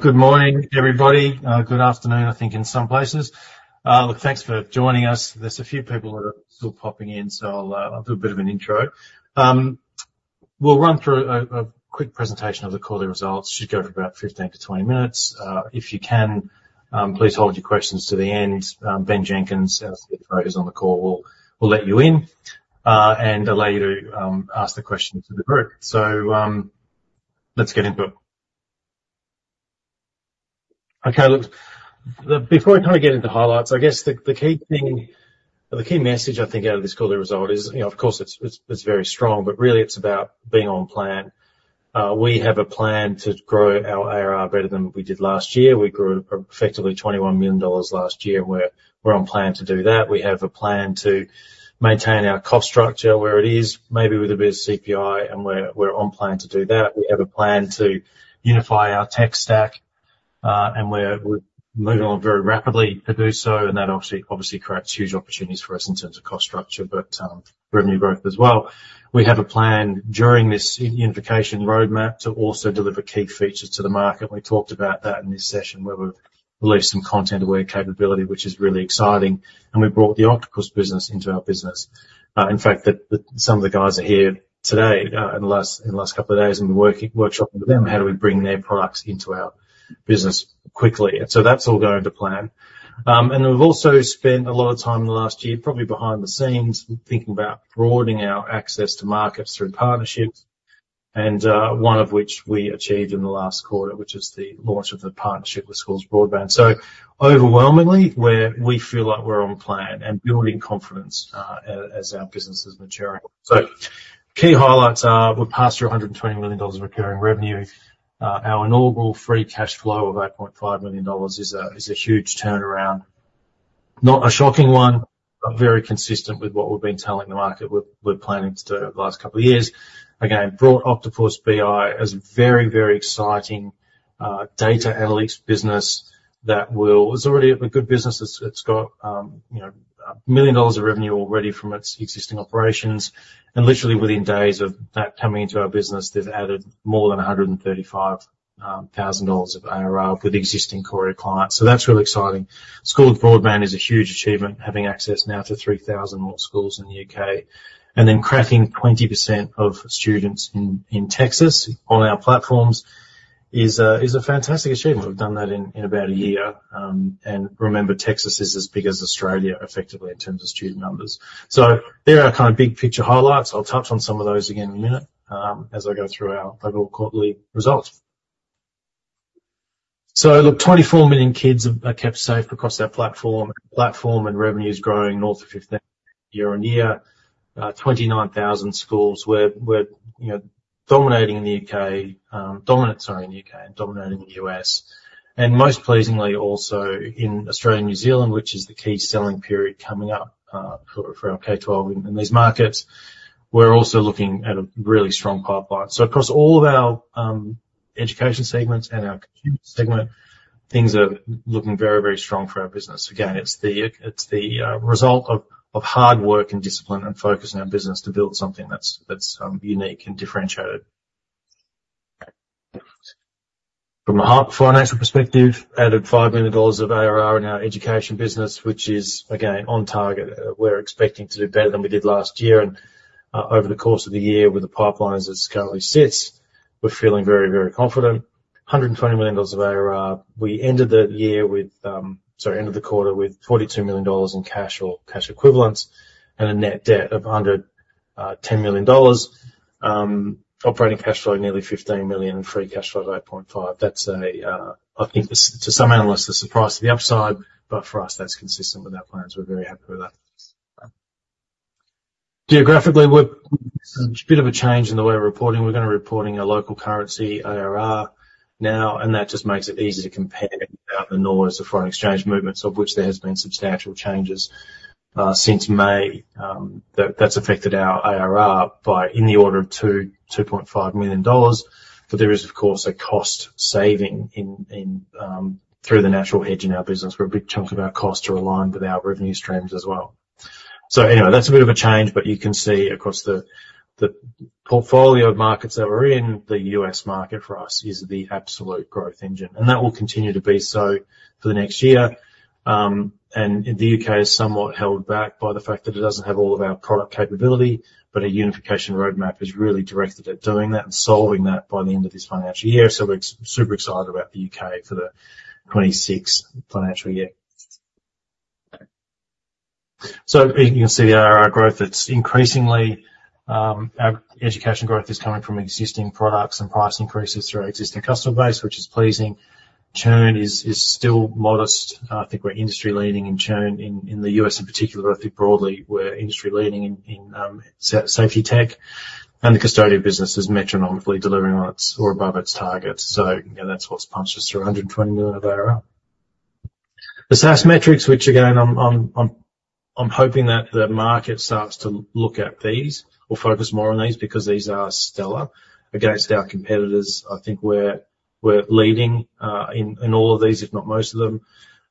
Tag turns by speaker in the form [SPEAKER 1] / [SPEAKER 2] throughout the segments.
[SPEAKER 1] Good morning, everybody. Good afternoon, I think, in some places. Look, thanks for joining us. There's a few people that are still popping in, so I'll do a bit of an intro. We'll run through a quick presentation of the quarterly results. Should go for about 15 to 20 minutes. If you can, please hold your questions to the end. Ben Jenkins, our CFO, who's on the call, will let you in and allow you to ask the question to the group. So, let's get into it. Okay, look, before I kind of get into highlights, I guess the key thing, or the key message I think out of this quarterly result is, you know, of course it's very strong, but really it's about being on plan. We have a plan to grow our ARR better than we did last year. We grew effectively $21 million last year, and we're on plan to do that. We have a plan to maintain our cost structure where it is, maybe with a bit of CPI, and we're on plan to do that. We have a plan to unify our tech stack, and we're moving on very rapidly to do so, and that obviously creates huge opportunities for us in terms of cost structure, but revenue growth as well. We have a plan during this unification roadmap to also deliver key features to the market. We talked about that in this session, where we've released some content aware capability, which is really exciting, and we brought the Octopus business into our business. In fact, some of the guys are here today in the last couple of days, and we're working, workshopping with them how do we bring their products into our business quickly? And so that's all going to plan. And then we've also spent a lot of time in the last year, probably behind the scenes, thinking about broadening our access to markets through partnerships, and one of which we achieved in the last quarter, which is the launch of the partnership with Schools Broadband. So overwhelmingly, we feel like we're on plan and building confidence as our business is maturing. So key highlights are, we're past AUD 120 million of recurring revenue. Our inaugural free cash flow of AUD 8.5 million is a huge turnaround. Not a shocking one, but very consistent with what we've been telling the market we're planning to do over the last couple of years. Again, brought OctopusBI as a very, very exciting data analytics business that will... It's already a good business. It's got, you know, 1 million dollars of revenue already from its existing operations, and literally within days of that coming into our business, they've added more than 135,000 dollars of ARR with existing core clients. So that's really exciting. Schools Broadband is a huge achievement, having access now to 3,000 more schools in the UK. And then cracking 20% of students in Texas on our platforms is a fantastic achievement. We've done that in about a year. And remember, Texas is as big as Australia, effectively, in terms of student numbers. So there are our kind of big picture highlights. I'll touch on some of those again in a minute, as I go through our overall quarterly results. So, look, 24 million kids are kept safe across our platform, and revenue's growing north of 15% year-on-year. 29 thousand schools, we're, you know, dominating in the U.K., dominant, sorry, in the U.K. and dominating the U.S., and most pleasingly, also in Australia and New Zealand, which is the key selling period coming up, for our K-12 in these markets. We're also looking at a really strong pipeline. So across all of our education segments and our consumer segment, things are looking very, very strong for our business. Again, it's the result of hard work and discipline and focus in our business to build something that's unique and differentiated. From an H1 financial perspective, added $5 million of ARR in our education business, which is again on target. We're expecting to do better than we did last year. And over the course of the year, with the pipeline as it currently sits, we're feeling very, very confident. $120 million of ARR. We ended the year with... Sorry, ended the quarter with $42 million in cash or cash equivalents and a net debt of under $10 million. Operating cash flow nearly $15 million, and free cash flow of $8.5 million. That's a, I think to some analysts, a surprise to the upside, but for us, that's consistent with our plans. We're very happy with that. Geographically, we're a bit of a change in the way we're reporting. We're gonna report in a local currency, ARR, now, and that just makes it easier to compare the noise of foreign exchange movements, of which there has been substantial changes since May. That's affected our ARR by in the order of 2.5 million dollars, but there is, of course, a cost saving through the natural hedge in our business, where a big chunk of our costs are aligned with our revenue streams as well. So anyway, that's a bit of a change, but you can see across the portfolio of markets that we're in, the U.S. market for us is the absolute growth engine, and that will continue to be so for the next year. And the U.K. is somewhat held back by the fact that it doesn't have all of our product capability, but our unification roadmap is really directed at doing that and solving that by the end of this financial year. So we're super excited about the U.K. for the 2026 financial year. So you can see our ARR growth, it's increasingly our education growth is coming from existing products and price increases through our existing customer base, which is pleasing. Churn is still modest. I think we're industry-leading in churn in the U.S. in particular, but I think broadly we're industry-leading in safety tech, and the Qustodio business is metronomically delivering on its, or above its targets. You know, that's what's punched us through 120 million of ARR. The SaaS metrics, which again, I'm hoping that the market starts to look at these or focus more on these, because these are stellar against our competitors. I think we're leading in all of these, if not most of them.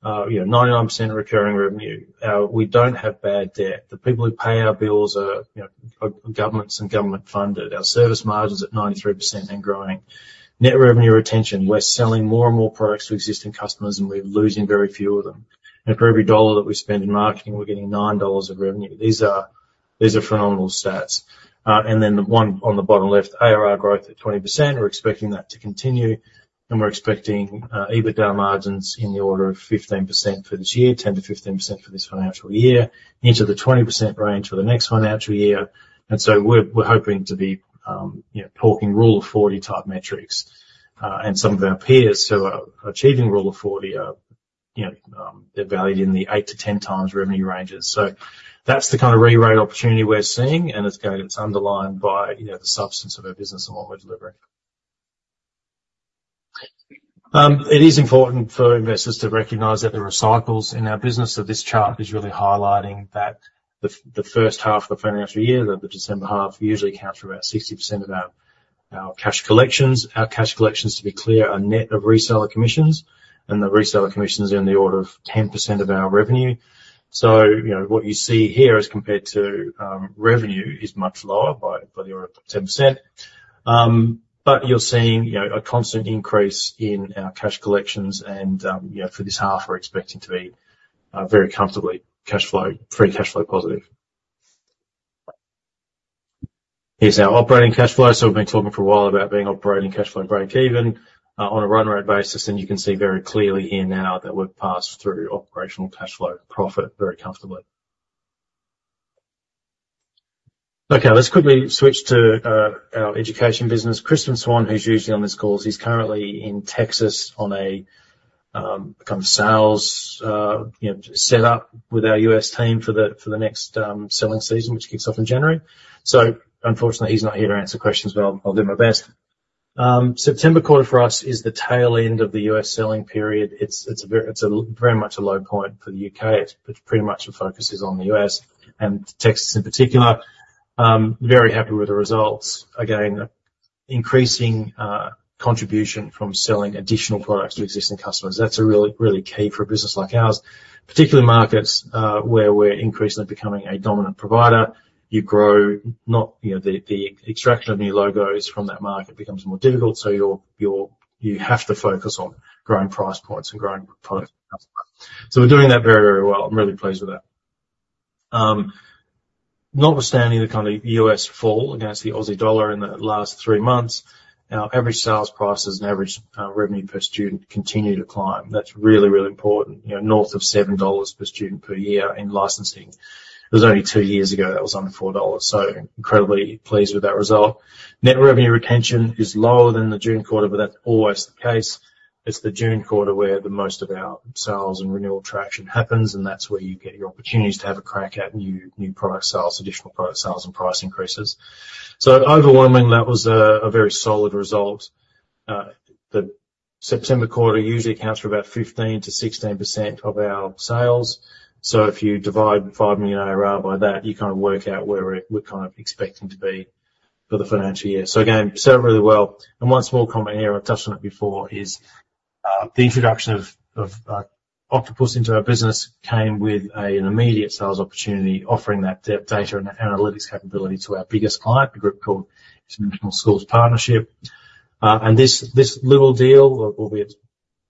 [SPEAKER 1] You know, 99% are recurring revenue. We don't have bad debt. The people who pay our bills are, you know, governments and government funded. Our service margins at 93% and growing. Net Revenue Retention, we're selling more and more products to existing customers, and we're losing very few of them, and for every dollar that we spend in marketing, we're getting nine dollars of revenue. These are phenomenal stats, and then the one on the bottom left, ARR growth at 20%, we're expecting that to continue, and we're expecting EBITDA margins in the order of 15% for this year, 10%-15% for this financial year, into the 20% range for the next financial year, and so we're hoping to be, you know, talking Rule of Forty type metrics, and some of our peers who are achieving Rule of Forty are, you know, they're valued in the 8-10 times revenue ranges. So that's the kind of rerate opportunity we're seeing, and it's going, it's underlined by, you know, the substance of our business and what we're delivering. It is important for investors to recognize that there are cycles in our business, so this chart is really highlighting that the first half of the financial year, the December half, usually accounts for about 60% of our cash collections. Our cash collections, to be clear, are net of reseller commissions, and the reseller commission is in the order of 10% of our revenue. So, you know, what you see here as compared to revenue, is much lower by the order of 10%. But you're seeing, you know, a constant increase in our cash collections and, you know, for this half, we're expecting to be very comfortably cash flow, free cash flow positive. Here's our operating cash flow. So we've been talking for a while about being operating cash flow breakeven on a run rate basis, and you can see very clearly here now that we've passed through operational cash flow profit very comfortably. Okay, let's quickly switch to our education business. Crispin Swan, who's usually on these calls, he's currently in Texas on a kind of sales, you know, set up with our US team for the next selling season, which kicks off in January. So unfortunately, he's not here to answer questions, but I'll do my best. September quarter for us is the tail end of the U.S. selling period. It's a very low point for the U.K. It's pretty much the focus is on the U.S., and Texas in particular. Very happy with the results. Again, increasing contribution from selling additional products to existing customers, that's a really, really key for a business like ours. Particular markets where we're increasingly becoming a dominant provider, you grow not. You know, the extraction of new logos from that market becomes more difficult, so you have to focus on growing price points and growing product. So we're doing that very, very well. I'm really pleased with that. Notwithstanding the kind of U.S. fall against the Aussie dollar in the last three months, our average sales prices and average revenue per student continue to climb. That's really, really important, you know, north of 7 dollars per student per year in licensing. It was only two years ago that was under 4 dollars, so incredibly pleased with that result. Net revenue retention is lower than the June quarter, but that's always the case. It's the June quarter where the most of our sales and renewal traction happens, and that's where you get your opportunities to have a crack at new product sales, additional product sales, and price increases. So overwhelmingly, that was a very solid result. The September quarter usually accounts for about 15%-16% of our sales. If you divide five million ARR by that, you kind of work out where we're kind of expecting to be for the financial year. Again, sold really well. One small comment here, I've touched on it before, is the introduction of Octopus into our business came with an immediate sales opportunity, offering that data and analytics capability to our biggest client, a group called International Schools Partnership. This little deal, albeit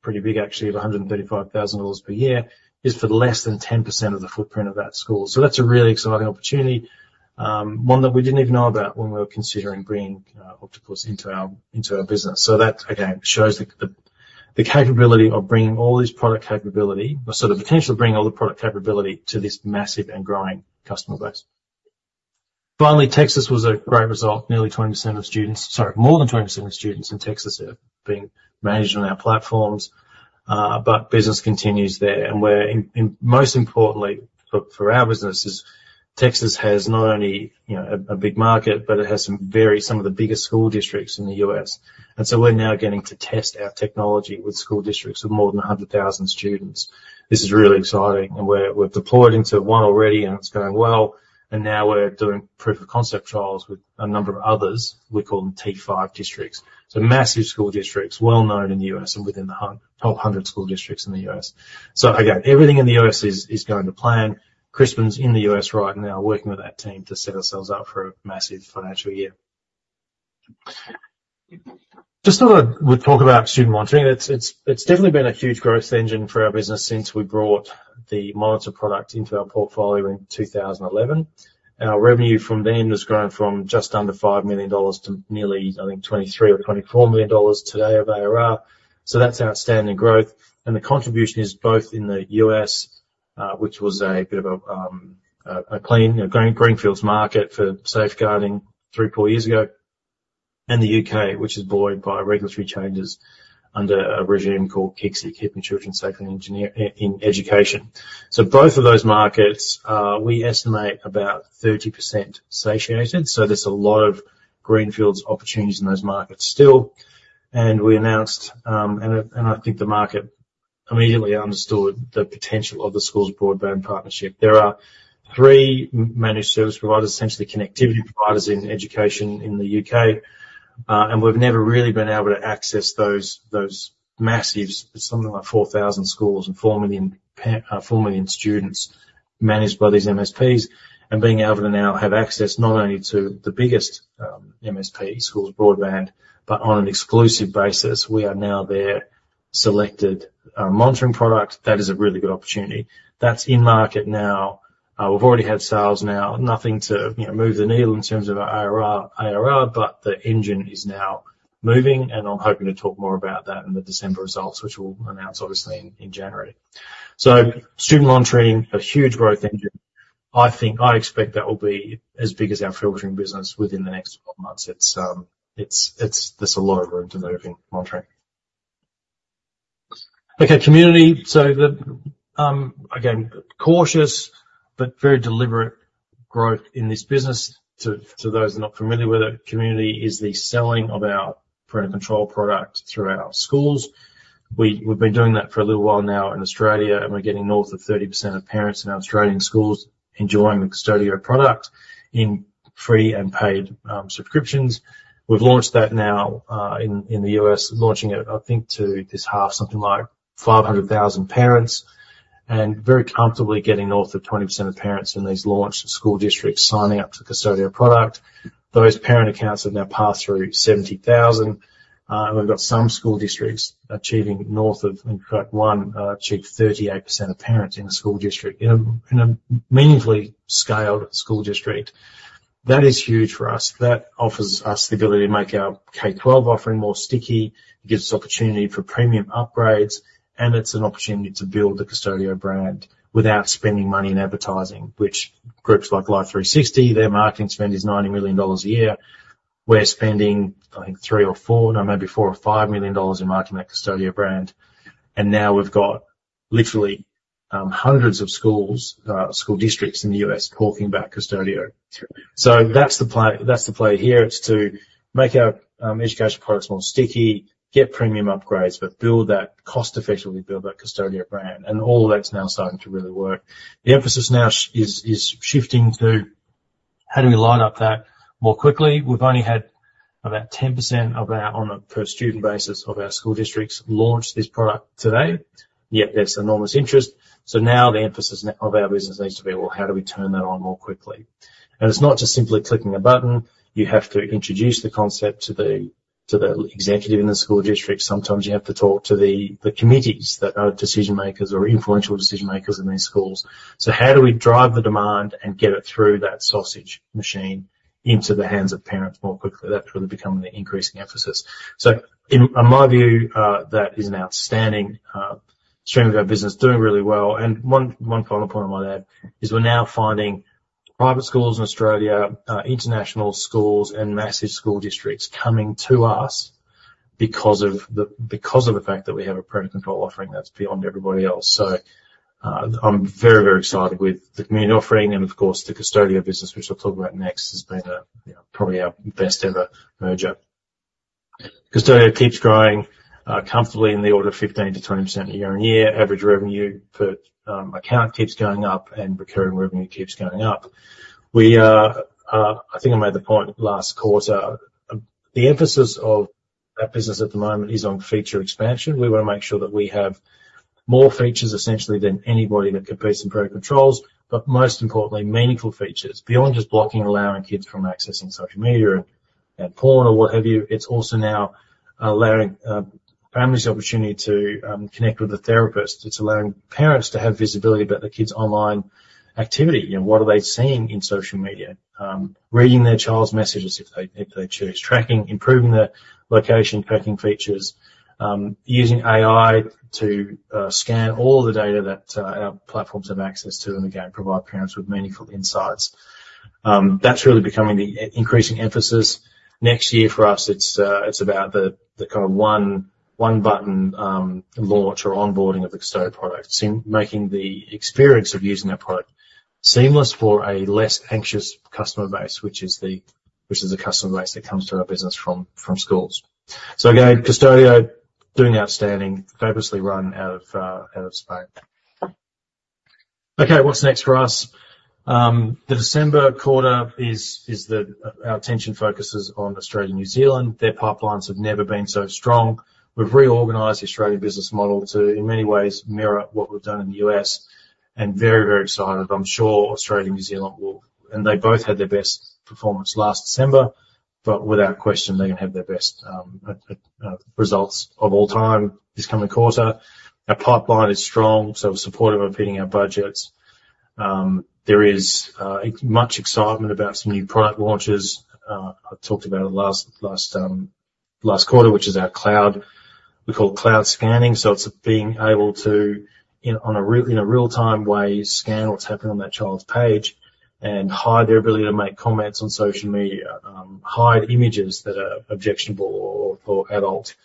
[SPEAKER 1] pretty big actually, of $135,000 per year, is for less than 10% of the footprint of that school. That's a really exciting opportunity, one that we didn't even know about when we were considering bringing Octopus into our business. So that, again, shows the capability of bringing all this product capability, or sort of potential to bring all the product capability to this massive and growing customer base. Finally, Texas was a great result. Nearly 20% of students—sorry, more than 20% of students in Texas are being managed on our platforms, but business continues there. And, in most importantly for our businesses, Texas has not only, you know, a big market, but it has some very, some of the biggest school districts in the U.S. And so we're now getting to test our technology with school districts of more than 100,000 students. This is really exciting, and we're deployed into one already, and it's going well, and now we're doing proof of concept trials with a number of others. We call them T5 districts, so massive school districts, well-known in the US, and within the top hundred school districts in the US. So again, everything in the US is going to plan. Crispin's in the US right now, working with our team to set ourselves up for a massive financial year. Just thought I would talk about student monitoring. It's definitely been a huge growth engine for our business since we brought the Monitor product into our portfolio in two thousand and eleven. Our revenue from them has grown from just under $5 million to nearly, I think, $23 million or $24 million today of ARR. So that's outstanding growth, and the contribution is both in the U.S., which was a bit of a clean, you know, green greenfields market for safeguarding three, four years ago, and the U.K., which is buoyed by regulatory changes under a regime called KCSIE, Keeping Children Safe in Education. So both of those markets, we estimate about 30% satiated, so there's a lot of greenfields opportunities in those markets still. And we announced, and I think the market immediately understood the potential of the Schools Broadband Partnership. There are three managed service providers, essentially connectivity providers, in education in the U.K., and we've never really been able to access those massive, something like 4,000 schools and 4 million students managed by these MSPs. And being able to now have access, not only to the biggest MSP Schools Broadband, but on an exclusive basis, we are now their selected monitoring product. That is a really good opportunity. That's in market now. We've already had sales now, nothing to, you know, move the needle in terms of our ARR, but the engine is now moving, and I'm hoping to talk more about that in the December results, which we'll announce, obviously, in January. So student monitoring, a huge growth engine. I expect that will be as big as our filtering business within the next 12 months. It's. There's a lot of room to move in monitoring. Okay, Community. So, again, cautious but very deliberate growth in this business. To those not familiar with it, Community is the selling of our parental control product throughout schools. We've been doing that for a little while now in Australia, and we're getting north of 30% of parents in our Australian schools enjoying the Qustodio product in free and paid subscriptions. We've launched that now in the U.S., launching it, I think, to this half, something like five hundred thousand parents, and very comfortably getting north of 20% of parents in these launched school districts signing up to the Qustodio product. Those parent accounts have now passed through seventy thousand, and we've got some school districts achieving north of, in fact, one achieved 38% of parents in a school district, in a meaningfully scaled school district. That is huge for us. That offers us the ability to make our K-12 offering more sticky. It gives us opportunity for premium upgrades, and it's an opportunity to build the Qustodio brand without spending money in advertising, which groups like Life360, their marketing spend is $90 million a year. We're spending, I think, three or four, no, maybe $4 million or $5 million in marketing that Qustodio brand, and now we've got literally hundreds of schools, school districts in the U.S. talking about Qustodio. So that's the play. That's the play here, is to make our education products more sticky, get premium upgrades, but build that cost effectively, build that Qustodio brand, and all of that's now starting to really work. The emphasis now is shifting to how do we line up that more quickly? We've only had about 10% of our, on a per student basis, of our school districts launch this product to date, yet there's enormous interest. So now the emphasis of our business needs to be, well, how do we turn that on more quickly? And it's not just simply clicking a button. You have to introduce the concept to the executive in the school district. Sometimes you have to talk to the committees that are decision makers or influential decision makers in these schools. So how do we drive the demand and get it through that sausage machine into the hands of parents more quickly? That's really becoming the increasing emphasis. So in my view, that is an outstanding stream of our business, doing really well. And one final point I might add is we're now finding private schools in Australia, international schools, and massive school districts coming to us because of the fact that we have a parental control offering that's beyond everybody else. So, I'm very, very excited with the community offering and, of course, the Qustodio business, which I'll talk about next, has been a, you know, probably our best ever merger. Qustodio keeps growing comfortably in the order of 15%-20% year on year. Average revenue per account keeps going up, and recurring revenue keeps going up. We are. I think I made the point last quarter. The emphasis of our business at the moment is on feature expansion. We want to make sure that we have more features, essentially, than anybody that competes in parental controls, but most importantly, meaningful features. Beyond just blocking and allowing kids from accessing social media and porn or what have you, it's also now allowing families the opportunity to connect with a therapist. It's allowing parents to have visibility about their kids' online activity. You know, what are they seeing in social media? Reading their child's messages if they choose. Tracking, improving the location tracking features. Using AI to scan all the data that our platforms have access to, and again, provide parents with meaningful insights. That's really becoming the increasing emphasis. Next year, for us, it's about the kind of one button launch or onboarding of the Qustodio product. Simply making the experience of using our product seamless for a less anxious customer base, which is the customer base that comes to our business from schools. So again, Qustodio, doing outstanding, fabulously run out of Spain. Okay, what's next for us? The December quarter is our attention focuses on Australia and New Zealand. Their pipelines have never been so strong. We've reorganized the Australian business model to, in many ways, mirror what we've done in the U.S., and very, very excited. I'm sure Australia and New Zealand will. And they both had their best performance last December, but without question, they're going to have their best results of all time this coming quarter. Our pipeline is strong, so supportive of hitting our budgets. There is much excitement about some new product launches. I talked about it last quarter, which is our cloud. We call it cloud scanning. So it's being able to, in a real-time way, scan what's happening on that child's page and hide their ability to make comments on social media, hide images that are objectionable or adult,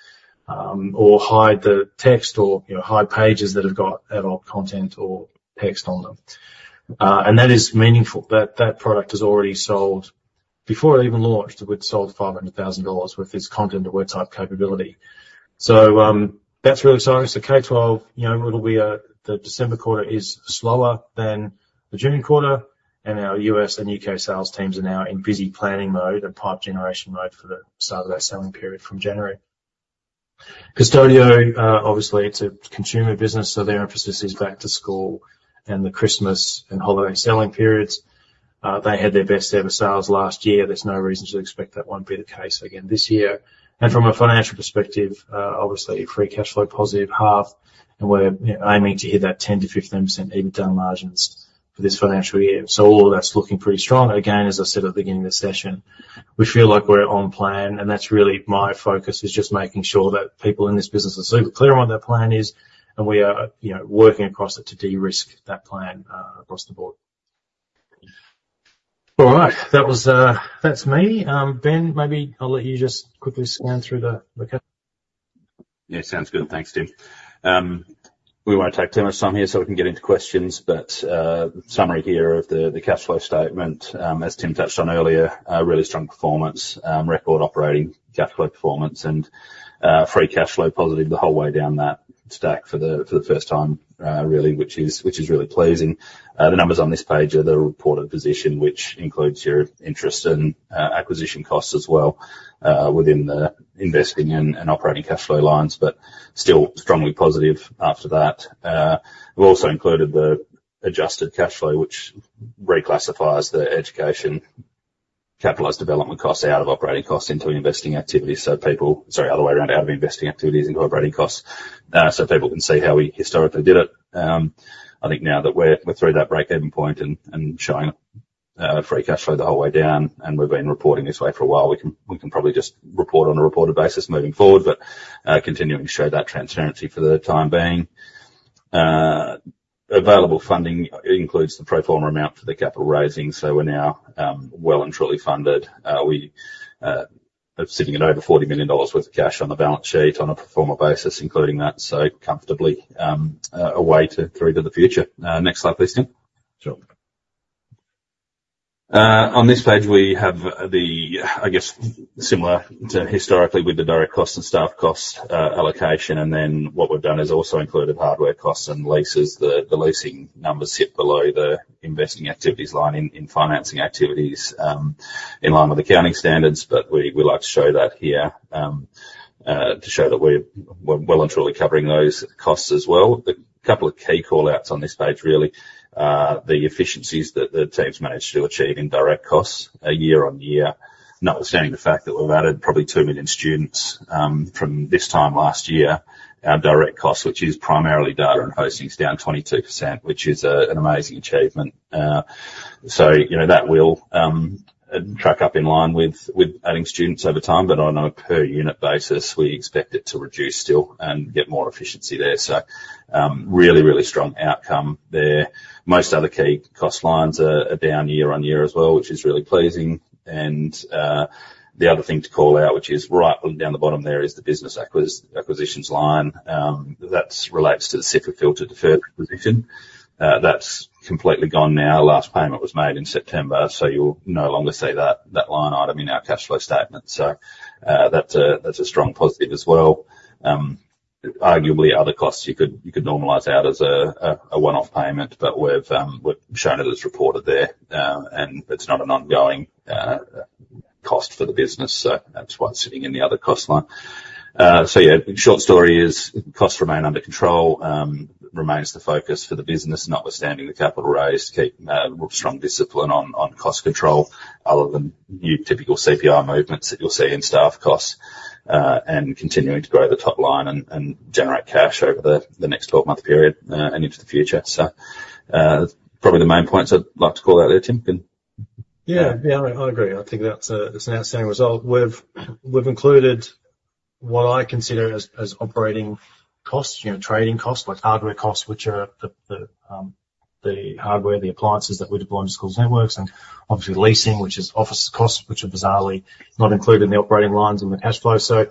[SPEAKER 1] or hide the text or, you know, hide pages that have got adult content or text on them. And that is meaningful. That product has already sold before it even launched. We'd sold $500,000 worth this content and word type capability. So, that's really exciting. So K-12, you know, it'll be the December quarter is slower than the June quarter, and our U.S. and U.K. sales teams are now in busy planning mode and pipeline generation mode for the start of that selling period from January. Qustodio, obviously it's a consumer business, so their emphasis is back to school and the Christmas and holiday selling periods. They had their best ever sales last year. There's no reason to expect that won't be the case again this year. And from a financial perspective, obviously, free cash flow positive half, and we're, you know, aiming to hit that 10%-15% EBITDA margins for this financial year. So all of that's looking pretty strong. Again, as I said at the beginning of the session, we feel like we're on plan, and that's really my focus, is just making sure that people in this business are super clear on what their plan is, and we are, you know, working across it to de-risk that plan across the board. All right. That's me. Ben, maybe I'll let you just quickly scan through the ca-
[SPEAKER 2] Yeah, sounds good. Thanks, Tim. We won't take too much time here so we can get into questions, but, summary here of the cash flow statement, as Tim touched on earlier, a really strong performance, record operating cash flow performance, and, free cash flow positive the whole way down that stack for the first time, really, which is really pleasing. The numbers on this page are the reported position, which includes your interest and, acquisition costs as well, within the investing and operating cash flow lines, but still strongly positive after that. We've also included the adjusted cash flow, which reclassifies the education capitalized development costs out of operating costs into investing activities, so people - Sorry, other way around, out of investing activities into operating costs, so people can see how we historically did it. I think now that we're through that break-even point and showing free cash flow the whole way down, and we've been reporting this way for a while, we can probably just report on a reported basis moving forward, but continuing to show that transparency for the time being. Available funding includes the pro forma amount for the capital raising, so we're now well and truly funded. We are sitting at over 40 million dollars worth of cash on the balance sheet on a pro forma basis, including that, so comfortably a way through to the future. Next slide, please, Tim.
[SPEAKER 1] Sure.
[SPEAKER 2] On this page, we have the, I guess, similar to historically with the direct cost and staff cost allocation, and then what we've done is also included hardware costs and leases. The leasing numbers sit below the investing activities line in financing activities, in line with accounting standards, but we like to show that here to show that we're well and truly covering those costs as well. A couple of key callouts on this page, really, the efficiencies that the teams managed to achieve in direct costs are year on year, notwithstanding the fact that we've added probably two million students from this time last year. Our direct costs, which is primarily data and hosting, is down 22%, which is an amazing achievement. So you know, that will track up in line with adding students over time, but on a per unit basis, we expect it to reduce still and get more efficiency there. Really, really strong outcome there. Most other key cost lines are down year on year as well, which is really pleasing, and the other thing to call out, which is right down the bottom there, is the business acquisitions line. That relates to the Cipafilter deferred position. That's completely gone now. Last payment was made in September, so you'll no longer see that line item in our cash flow statement. That's a strong positive as well. Arguably other costs you could normalize out as a one-off payment, but we've shown it as reported there, and it's not an ongoing cost for the business, so that's why it's sitting in the other cost line. So yeah, short story is costs remain under control, remains the focus for the business, notwithstanding the capital raise, keep strong discipline on cost control other than your typical CPI movements that you'll see in staff costs, and continuing to grow the top line and generate cash over the next twelve-month period, and into the future. So, probably the main points I'd like to call out there, Tim, then?
[SPEAKER 1] Yeah. Yeah, I agree. I think that's, it's an outstanding result. We've included what I consider as operating costs, you know, trading costs, like hardware costs, which are the hardware, the appliances that we deploy into schools' networks, and obviously leasing, which is office costs, which are bizarrely not included in the operating lines and the cash flow. So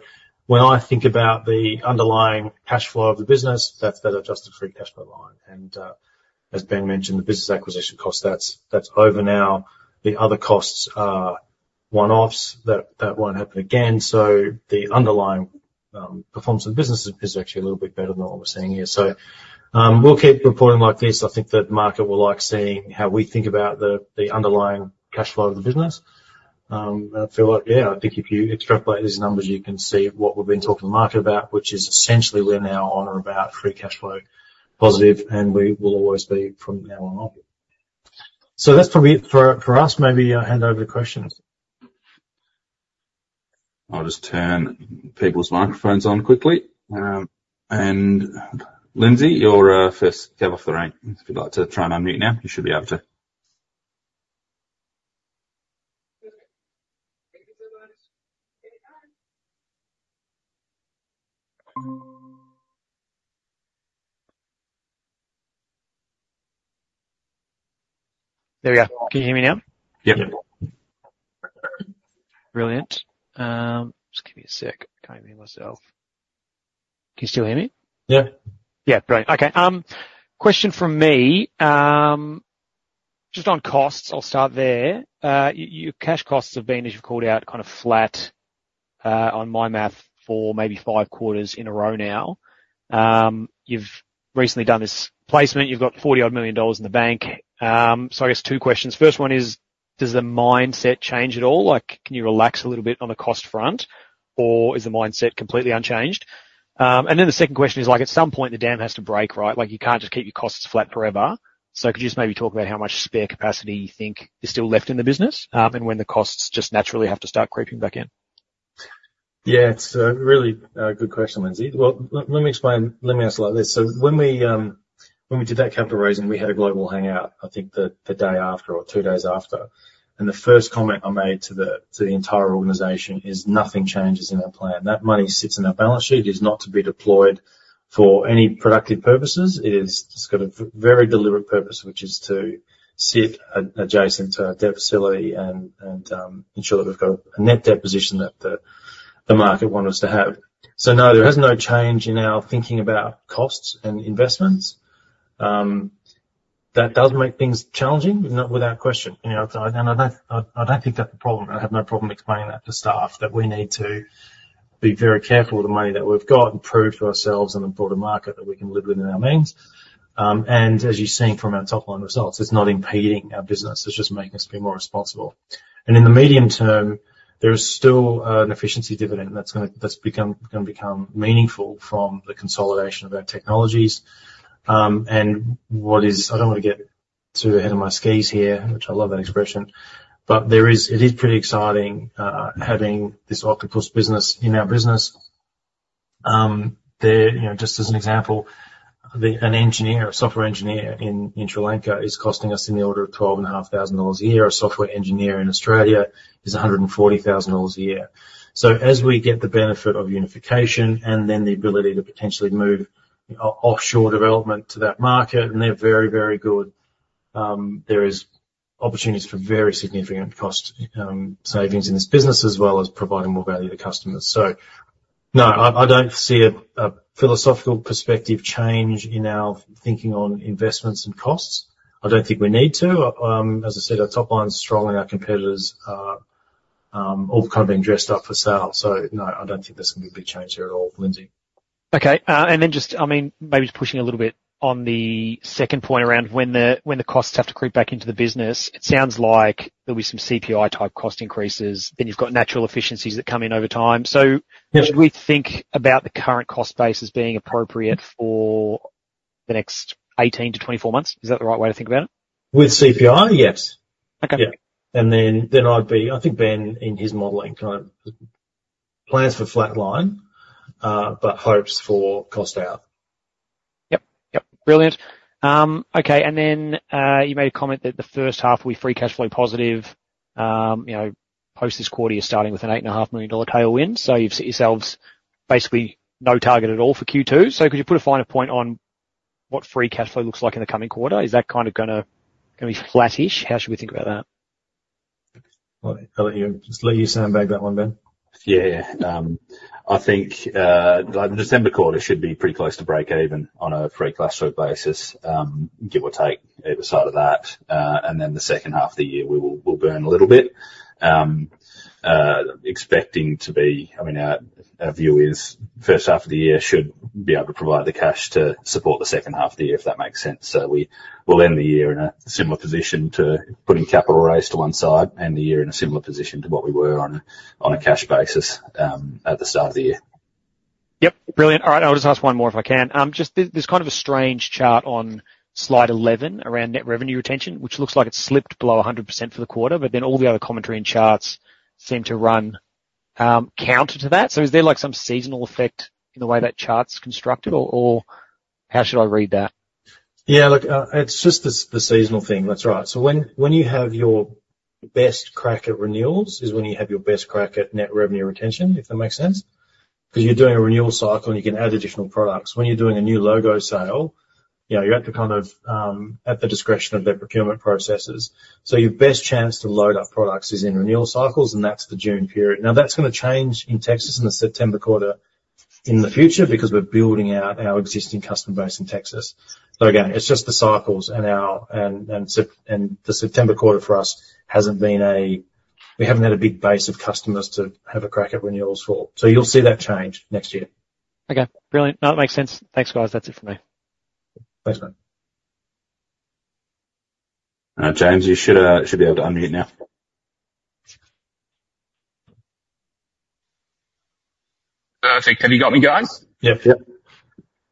[SPEAKER 1] when I think about the underlying cash flow of the business, that's that adjusted free cash flow line. And, as Ben mentioned, the business acquisition cost, that's over now. The other costs are one-offs. That won't happen again. So the underlying performance of the business is actually a little bit better than what we're seeing here. So, we'll keep reporting like this. I think the market will like seeing how we think about the underlying cash flow of the business. I feel like, yeah, I think if you extrapolate these numbers, you can see what we've been talking to the market about, which is essentially we're now on or about Free Cash Flow positive, and we will always be from now on. So that's probably it for us. Maybe I'll hand over to questions.
[SPEAKER 2] I'll just turn people's microphones on quickly, and Lindsay, you're first cab off the rank, if you'd like to try and unmute now, you should be able to.
[SPEAKER 3] There we are. Can you hear me now?
[SPEAKER 2] Yep.
[SPEAKER 1] Yep.
[SPEAKER 3] Brilliant. Just give me a sec. I can't hear myself.... Can you still hear me?
[SPEAKER 1] Yeah.
[SPEAKER 3] Yeah, great. Okay, question from me. Just on costs, I'll start there. Your cash costs have been, as you've called out, kind of flat, on my math, for maybe five quarters in a row now. You've recently done this placement; you've got 40-odd million dollars in the bank. So I guess two questions. First one is, does the mindset change at all? Like, can you relax a little bit on the cost front, or is the mindset completely unchanged? and then the second question is, like, at some point the dam has to break, right? Like, you can't just keep your costs flat forever. So could you just maybe talk about how much spare capacity you think is still left in the business, and when the costs just naturally have to start creeping back in?
[SPEAKER 1] Yeah, it's a really good question, Lindsay. Well, let me explain, let me answer it like this. So when we, when we did that capital raising, we had a global hangout, I think the day after or two days after, and the first comment I made to the entire organization is nothing changes in our plan. That money sits on our balance sheet, it is not to be deployed for any productive purposes. It is... It's got a very deliberate purpose, which is to sit adjacent to our debt facility and ensure that we've got a net debt position that the market want us to have. So no, there is no change in our thinking about costs and investments. That does make things challenging, not without question. You know, and I don't think that's a problem. I have no problem explaining that to staff, that we need to be very careful with the money that we've got and prove to ourselves and the broader market that we can live within our means. And as you've seen from our top line results, it's not impeding our business, it's just making us be more responsible. And in the medium term, there is still an efficiency dividend that's gonna become meaningful from the consolidation of our technologies. And I don't want to get too ahead of my skis here, which I love that expression, but it is pretty exciting having this Octopus business in our business. There, you know, just as an example, an engineer, a software engineer in Sri Lanka is costing us in the order of 12,500 dollars a year. A software engineer in Australia is 140,000 dollars a year. So as we get the benefit of unification and then the ability to potentially move offshore development to that market, and they're very, very good. There is opportunities for very significant cost savings in this business, as well as providing more value to customers. So no, I don't see a philosophical perspective change in our thinking on investments and costs. I don't think we need to. As I said, our top line's strong and our competitors are all kind of being dressed up for sale. So no, I don't think there's gonna be a big change there at all, Lindsay.
[SPEAKER 3] Okay. And then just, I mean, maybe just pushing a little bit on the second point around when the costs have to creep back into the business. It sounds like there'll be some CPI type cost increases, then you've got natural efficiencies that come in over time.
[SPEAKER 1] Yeah.
[SPEAKER 3] Should we think about the current cost base as being appropriate for the next 18-24 months? Is that the right way to think about it?
[SPEAKER 1] With CPI, yes.
[SPEAKER 3] Okay.
[SPEAKER 1] Yeah, and then I'd be... I think Ben, in his modeling, kind of plans for flat line, but hopes for cost out.
[SPEAKER 3] Yep. Yep, brilliant. Okay, and then, you made a comment that the first half will be free cash flow positive. You know, post this quarter, you're starting with an $8.5 million tailwind, so you've set yourselves basically no target at all for Q2. So could you put a finer point on what free cash flow looks like in the coming quarter? Is that kind of gonna be flatish? How should we think about that?
[SPEAKER 1] I'll let you, just let you sandbag that one, Ben.
[SPEAKER 2] Yeah. I think, like, the December quarter should be pretty close to breakeven on a free cash flow basis, give or take either side of that. And then the second half of the year, we'll burn a little bit. I mean, our view is, first half of the year should be able to provide the cash to support the second half of the year, if that makes sense. So we will end the year in a similar position to putting capital raise to one side, and the year in a similar position to what we were on a cash basis, at the start of the year.
[SPEAKER 3] Yep. Brilliant. All right, I'll just ask one more if I can. Just there, there's kind of a strange chart on slide 11 around net revenue retention, which looks like it's slipped below 100% for the quarter, but then all the other commentary and charts seem to run counter to that. So is there, like, some seasonal effect in the way that chart's constructed, or how should I read that?
[SPEAKER 1] Yeah, look, it's just the seasonal thing. That's right. So when you have your best crack at renewals, is when you have your best crack at net revenue retention, if that makes sense? 'Cause you're doing a renewal cycle, and you can add additional products. When you're doing a new logo sale, you know, you're at the kind of, at the discretion of their procurement processes. So your best chance to load up products is in renewal cycles, and that's the June period. Now, that's gonna change in Texas in the September quarter in the future, because we're building out our existing customer base in Texas. So again, it's just the cycles and our... And the September quarter for us hasn't been. We haven't had a big base of customers to have a crack at renewals for. You'll see that change next year.
[SPEAKER 3] Okay, brilliant. No, it makes sense. Thanks, guys. That's it for me.
[SPEAKER 1] Thanks, mate.
[SPEAKER 2] James, you should be able to unmute now.
[SPEAKER 3] Perfect. Have you got me, guys?
[SPEAKER 1] Yep.
[SPEAKER 2] Yep.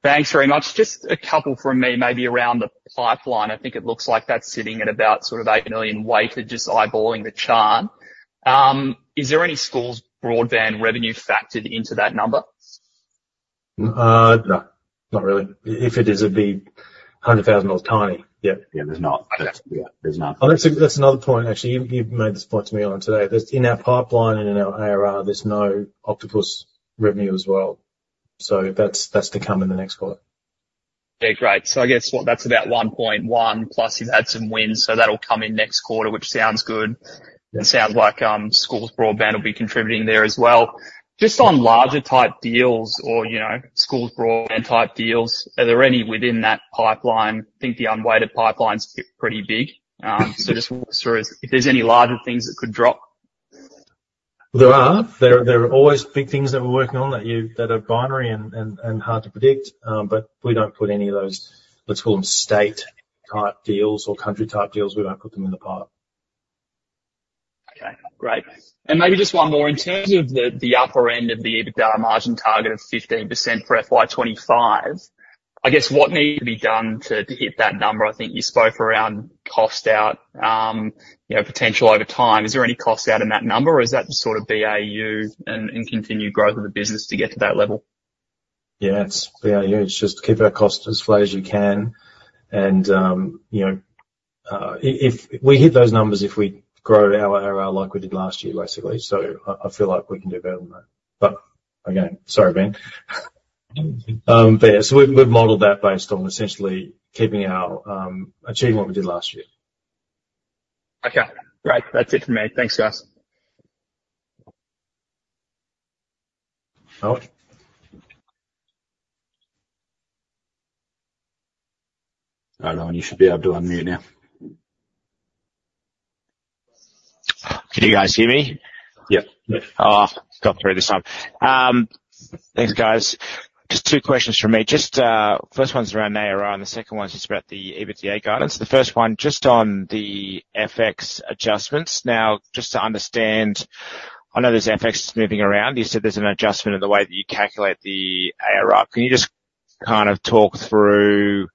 [SPEAKER 3] Thanks very much. Just a couple from me, maybe around the pipeline. I think it looks like that's sitting at about sort of eight million weighted, just eyeballing the chart. Is there any Schools Broadband revenue factored into that number?
[SPEAKER 1] No, not really. If it is, it'd be $100,000. Tiny. Yep.
[SPEAKER 2] Yeah, there's not. Yeah, there's nothing.
[SPEAKER 1] And that's another point, actually. You've made this point to me today. In our pipeline and in our ARR, there's no Octopus revenue as well, so that's to come in the next quarter....
[SPEAKER 3] Yeah, great. So I guess, what, that's about one point one, plus you've had some wins, so that'll come in next quarter, which sounds good.
[SPEAKER 1] Yeah.
[SPEAKER 3] It sounds like, Schools Broadband will be contributing there as well. Just on larger type deals or, you know, Schools Broadband type deals, are there any within that pipeline? I think the unweighted pipeline's pretty big. So just walk us through if there's any larger things that could drop?
[SPEAKER 1] There are always big things that we're working on that are binary and hard to predict, but we don't put any of those. Let's call them state type deals or country type deals. We don't put them in the pipe.
[SPEAKER 3] Okay, great. And maybe just one more: in terms of the upper end of the EBITDA margin target of 15% for FY 2025, I guess what needs to be done to hit that number? I think you spoke around cost out, you know, potential over time. Is there any cost out in that number, or is that just sort of BAU and continued growth of the business to get to that level?
[SPEAKER 1] Yeah, it's BAU. It's just keep our costs as flat as you can. And you know if we hit those numbers if we grow our ARR like we did last year, basically, so I feel like we can do better than that. But again, sorry, Ben. But yeah, so we've modeled that based on essentially keeping our achieving what we did last year.
[SPEAKER 3] Okay, great. That's it from me. Thanks, guys.
[SPEAKER 1] All right. Oh, no, you should be able to unmute now.
[SPEAKER 3] Can you guys hear me?
[SPEAKER 1] Yep.
[SPEAKER 3] Oh, got through this time. Thanks, guys. Just two questions from me. Just, first one's around ARR, and the second one's just about the EBITDA guidance. The first one, just on the FX adjustments. Now, just to understand, I know there's FXs moving around. You said there's an adjustment in the way that you calculate the ARR. Can you just kind of talk through,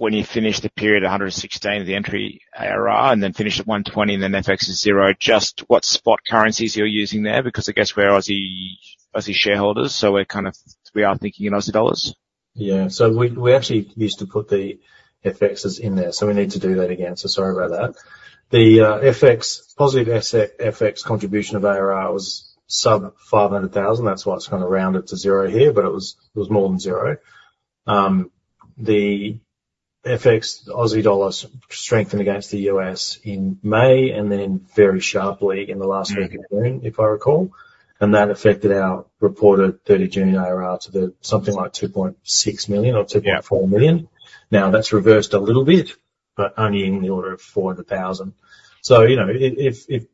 [SPEAKER 3] when you finish the period 116 of the entry ARR and then finish at 120 and then FX is zero, just what spot currencies you're using there? Because I guess we're Aussie, Aussie shareholders, so we're kind of, we are thinking in Aussie dollars.
[SPEAKER 1] Yeah. So we actually used to put the FXs in there, so we need to do that again. So sorry about that. The FX positive asset FX contribution of ARR was sub 500,000. That's why it's kind of rounded to zero here, but it was more than zero. The FX Aussie dollar strengthened against the U.S. in May, and then very sharply in the last week of June-
[SPEAKER 3] Mm-hmm...
[SPEAKER 1] if I recall, and that affected our reported 30 June ARR to the something like 2.6 million or 2.4 million.
[SPEAKER 3] Yeah.
[SPEAKER 1] Now, that's reversed a little bit, but only in the order of 400,000, so you know,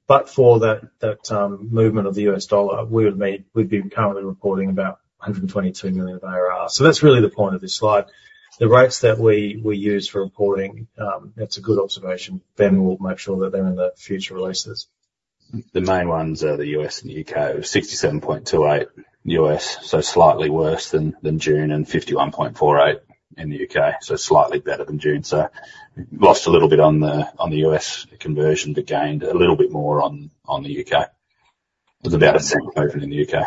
[SPEAKER 1] but for that movement of the U.S. dollar, we'd be currently reporting about 122 million of ARR, so that's really the point of this slide. The rates that we use for reporting. That's a good observation. Ben will make sure that they're in the future releases.
[SPEAKER 2] The main ones are the U.S. and U.K. 67.28 U.S., so slightly worse than June, and 51.48 in the U.K., so slightly better than June, so lost a little bit on the U.S. conversion, but gained a little bit more on the U.K. It was about a cent over in the U.K.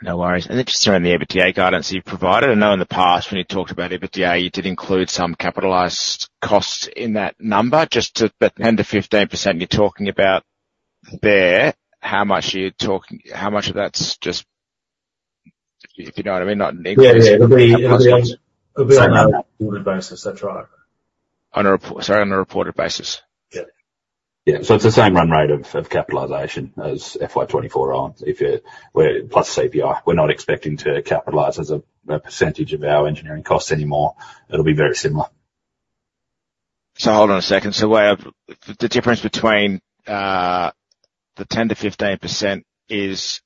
[SPEAKER 3] No worries. Then just around the EBITDA guidance that you've provided. I know in the past, when you talked about EBITDA, you did include some capitalized costs in that number. But 10%-15%, you're talking about there, how much are you talking? How much of that's just, if you know what I mean, not in-
[SPEAKER 1] Yeah. Yeah, it'll be-
[SPEAKER 3] Cost.
[SPEAKER 1] It'll be on a reported basis. That's right.
[SPEAKER 3] Sorry, on a reported basis?
[SPEAKER 1] Yeah.
[SPEAKER 2] Yeah. So it's the same run rate of capitalization as FY 2024 on if you're--we're plus CPI. We're not expecting to capitalize as a percentage of our engineering costs anymore. It'll be very similar.
[SPEAKER 3] Hold on a second. Wait, I've. The difference between the 10%-15% is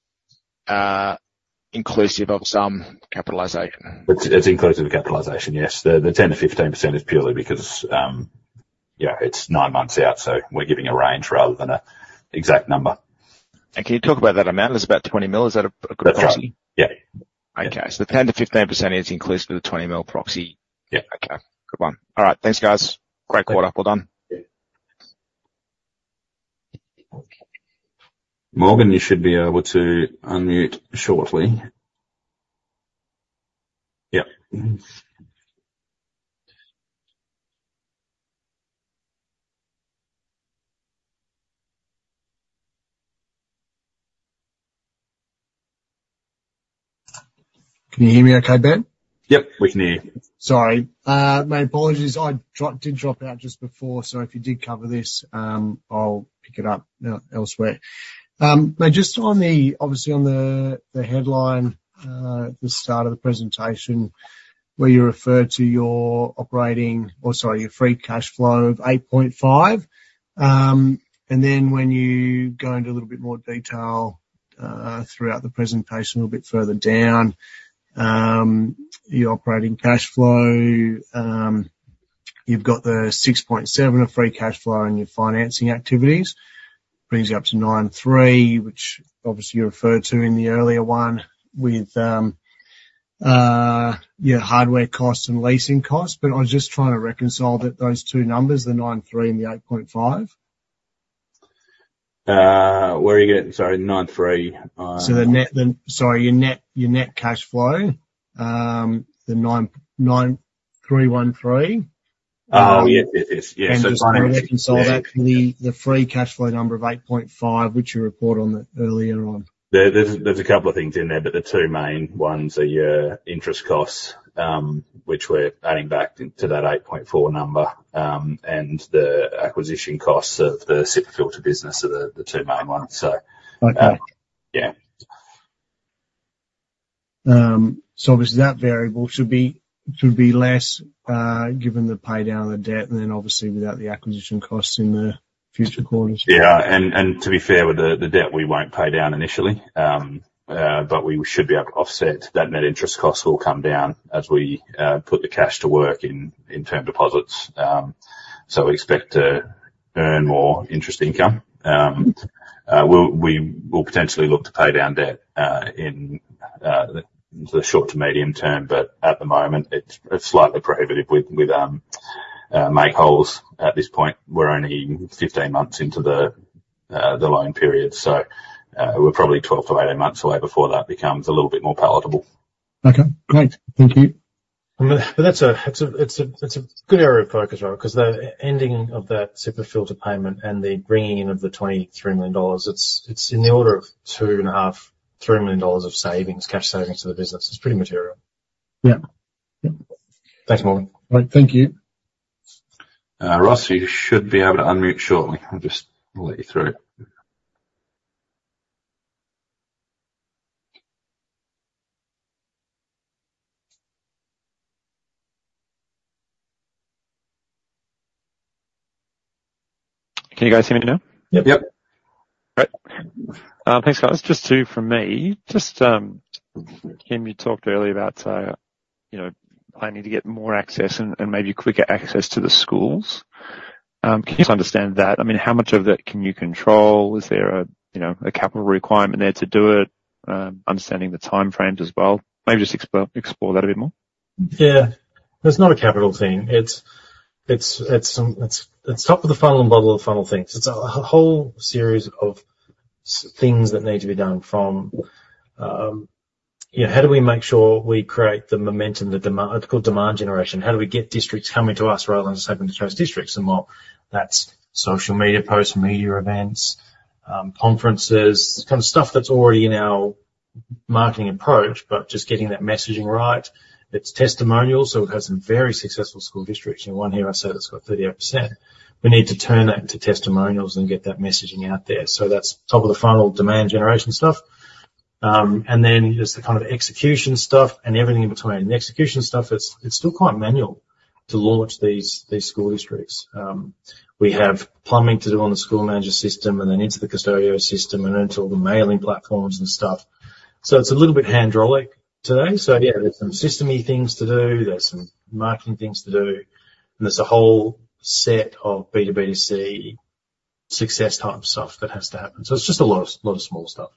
[SPEAKER 3] inclusive of some capitalization?
[SPEAKER 2] It's inclusive of capitalization, yes. The 10%-15% is purely because, you know, it's nine months out, so we're giving a range rather than an exact number.
[SPEAKER 3] Can you talk about that amount? It's about 20 million. Is that a good proxy?
[SPEAKER 2] That's right, yeah.
[SPEAKER 3] Okay. So the 10%-15% is inclusive of the 20 million proxy?
[SPEAKER 2] Yeah.
[SPEAKER 3] Okay. Good one. All right. Thanks, guys. Great quarter. Well done.
[SPEAKER 1] Yeah.
[SPEAKER 2] Morgan, you should be able to unmute shortly. Yep.
[SPEAKER 4] Can you hear me okay, Ben?
[SPEAKER 2] Yep, we can hear you.
[SPEAKER 4] Sorry, my apologies. I dropped out just before, so if you did cover this, I'll pick it up now elsewhere. But just on the, obviously on the headline at the start of the presentation, where you referred to your operating, or sorry, your Free Cash Flow of 8.5. And then when you go into a little bit more detail throughout the presentation, a little bit further down, your operating cash flow, you've got the 6.7 of Free Cash Flow in your financing activities, brings you up to 9.3, which obviously you referred to in the earlier one with your hardware costs and leasing costs. But I was just trying to reconcile those two numbers, the 9.3 and the 8.5.
[SPEAKER 2] Where are you getting, sorry, nine three.
[SPEAKER 4] So the net. Sorry, your net cash flow, the 99,313....
[SPEAKER 2] Oh, yes, yes, yes. Yeah, so-
[SPEAKER 4] Just how to reconcile that to the free cash flow number of 8.5, which you reported on earlier on?
[SPEAKER 2] There's a couple of things in there, but the two main ones are your interest costs, which we're adding back to that eight point four number, and the acquisition costs of the Cipafilter business are the two main ones, so.
[SPEAKER 4] Okay.
[SPEAKER 2] Um, yeah.
[SPEAKER 4] So obviously, that variable should be less, given the pay down of the debt and then obviously without the acquisition costs in the future quarters.
[SPEAKER 2] Yeah, and to be fair, with the debt, we won't pay down initially. But we should be able to offset that. Net interest cost will come down as we put the cash to work in term deposits. So we expect to earn more interest income. We'll potentially look to pay down debt in the short to medium term, but at the moment, it's slightly prohibitive with make-whole. At this point, we're only fifteen months into the loan period, so we're probably twelve to eighteen months away before that becomes a little bit more palatable.
[SPEAKER 4] Okay, great. Thank you.
[SPEAKER 1] But that's a good area of focus, right? Because the ending of that Cipafilter payment and the bringing in of the 23 million dollars, it's in the order of 2.5-3 million dollars of savings, cash savings to the business. It's pretty material.
[SPEAKER 4] Yeah. Yeah.
[SPEAKER 1] Thanks, Morgan.
[SPEAKER 4] All right, thank you.
[SPEAKER 2] Ross, you should be able to unmute shortly. I'll just let you through.
[SPEAKER 5] Can you guys hear me now?
[SPEAKER 2] Yep.
[SPEAKER 1] Yep.
[SPEAKER 5] Great. Thanks, guys. Just two from me. Just, Tim, you talked earlier about, you know, planning to get more access and, and maybe quicker access to the schools. Can you just understand that? I mean, how much of that can you control? Is there a, you know, a capital requirement there to do it? Understanding the timeframes as well. Maybe just explore that a bit more.
[SPEAKER 1] Yeah. It's not a capital thing. It's top of the funnel and bottom of the funnel things. It's a whole series of things that need to be done from... Yeah, how do we make sure we create the momentum, the demand, it's called demand generation? How do we get districts coming to us rather than us having to chase districts? And, well, that's social media posts, media events, conferences, kind of stuff that's already in our marketing approach, but just getting that messaging right. It's testimonials, so we've had some very successful school districts, and one here, I said, it's got 38%. We need to turn that into testimonials and get that messaging out there. So that's top of the funnel demand generation stuff, and then there's the kind of execution stuff and everything in between. The execution stuff, it's still quite manual to launch these school districts. We have plumbing to do on the School Manager system and then into the Qustodio system and into all the mailing platforms and stuff. So it's a little bit hydraulic today. So yeah, there's some systemy things to do, there's some marketing things to do, and there's a whole set of B2B2C success type stuff that has to happen. So it's just a lot, lot of small stuff.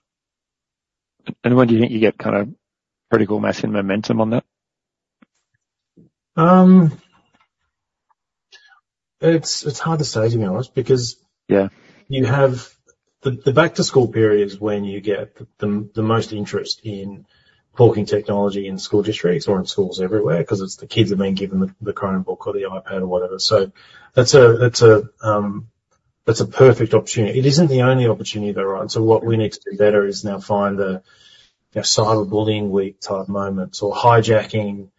[SPEAKER 5] When do you think you get kind of critical mass and momentum on that?
[SPEAKER 1] It's hard to say, to be honest, because-
[SPEAKER 5] Yeah...
[SPEAKER 1] you have the back to school period is when you get the most interest in hawking technology in school districts or in schools everywhere, 'cause it's the kids that are being given the Chromebook or the iPad or whatever. So that's a perfect opportunity. It isn't the only opportunity, though, right? So what we need to do better is now find you know cyberbullying week type moments or hijacking,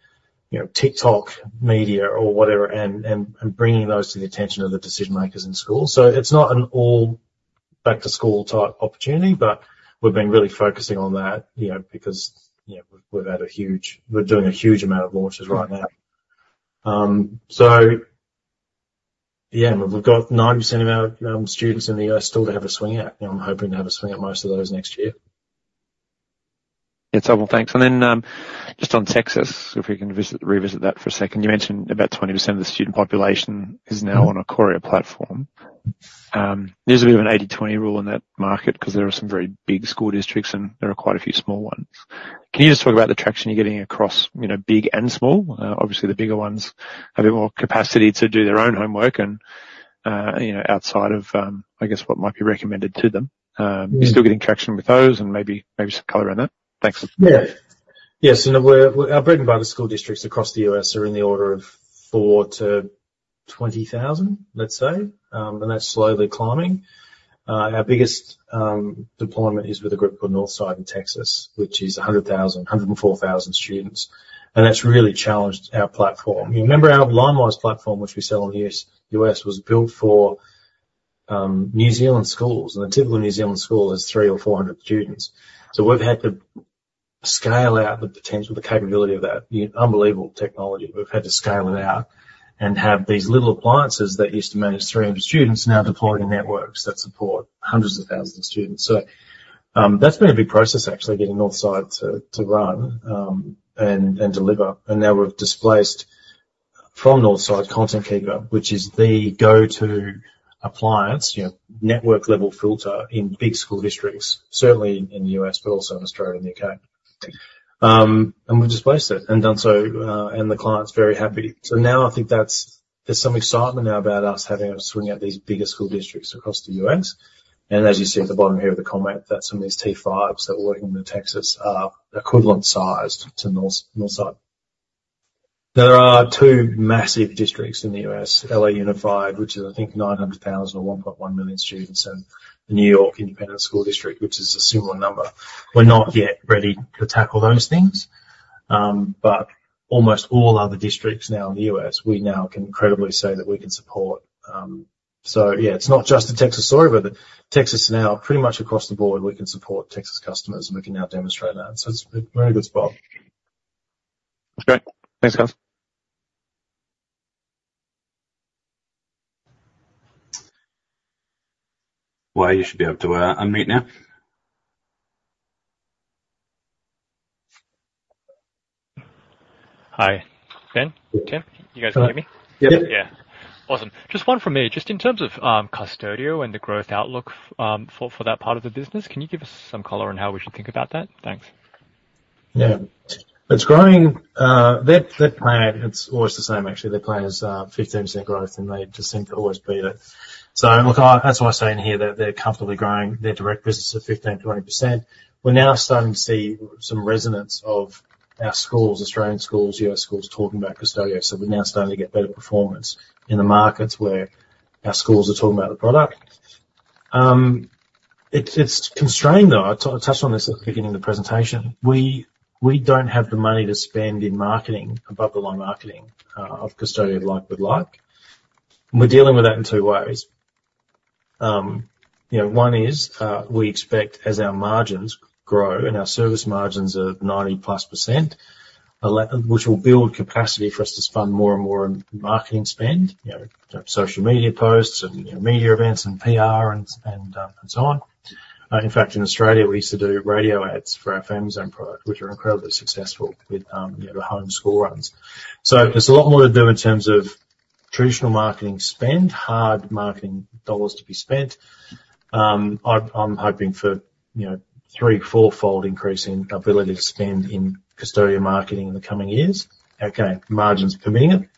[SPEAKER 1] you know, TikTok, media or whatever, and bringing those to the attention of the decision makers in school. So it's not an all back to school type opportunity, but we've been really focusing on that, you know, because, you know, we've had a huge. We're doing a huge amount of launches right now. So yeah, we've got 90% of our students in the U.S. still to have a swing at, and I'm hoping to have a swing at most of those next year.
[SPEAKER 5] It's all. Well, thanks. Then, just on Texas, if we can revisit that for a second. You mentioned about 20% of the student population is now on a Qoria platform. There's a bit of an 80/20 rule in that market 'cause there are some very big school districts, and there are quite a few small ones. Can you just talk about the traction you're getting across, you know, big and small? Obviously, the bigger ones have a bit more capacity to do their own homework and, you know, outside of, I guess, what might be recommended to them. Are you still getting traction with those? And maybe some color on that. Thanks.
[SPEAKER 1] Yeah. Yes, you know, we're. Our bread and butter school districts across the U.S. are in the order of four to 20 thousand, let's say, and that's slowly climbing. Our biggest deployment is with a group called Northside in Texas, which is 100,000, 104,000 students, and that's really challenged our platform. You remember our Linewize platform, which we sell in U.S., was built for New Zealand schools, and a typical New Zealand school is 300 or 400 students. So we've had to scale out the potential, the capability of that unbelievable technology. We've had to scale it out and have these little appliances that used to manage 300 students, now deploying in networks that support hundreds of thousands of students. So, that's been a big process, actually, getting Northside to run and deliver. Now we've displaced from Northside, ContentKeeper, which is the go-to appliance, you know, network-level filter in big school districts, certainly in the U.S., but also in Australia and U.K. And we've displaced it and done so, and the client's very happy. So now I think that's... There's some excitement now about us having a swing at these bigger school districts across the U.S. And as you see at the bottom here of the comment, that some of these T-fives that we're working with in Texas are equivalent sized to Northside. There are two massive districts in the U.S.: LA Unified, which is, I think 900,000 or 1.1 million students, and the New York Independent School District, which is a similar number. We're not yet ready to tackle those things, but almost all other districts now in the U.S., we now can credibly say that we can support. So yeah, it's not just in Texas, sorry, but Texas now pretty much across the board, we can support Texas customers, and we can now demonstrate that. So it's a very good spot.
[SPEAKER 3] That's great. Thanks, guys.
[SPEAKER 1] You should be able to unmute now.
[SPEAKER 6] Hi, Ben, Tim, you guys hear me?
[SPEAKER 1] Yeah.
[SPEAKER 6] Yeah. Awesome. Just one from me. Just in terms of, Qustodio and the growth outlook, for that part of the business, can you give us some color on how we should think about that? Thanks.
[SPEAKER 1] Yeah. It's growing. Their plan, it's always the same actually. Their plan is fifteen percent growth, and they just seem to always beat it. So look, that's why I say in here that they're comfortably growing their direct business at 15%-20%. We're now starting to see some resonance of our schools, Australian schools, US schools, talking about Qustodio. So we're now starting to get better performance in the markets where our schools are talking about the product. It's constrained, though. I touched on this at the beginning of the presentation. We don't have the money to spend in marketing, above the line marketing, of Qustodio like with like. We're dealing with that in two ways. You know, one is, we expect as our margins grow and our service margins are 90-plus%, which will build capacity for us to spend more and more on marketing spend, you know, social media posts and media events and PR and so on. In fact, in Australia, we used to do radio ads for our Family Zone product, which are incredibly successful with, you know, the home score runs. So there's a lot more to do in terms of traditional marketing spend, hard marketing dollars to be spent. I'm hoping for, you know, three- to four-fold increase in ability to spend in Qustodio marketing in the coming years, okay, margins permitting.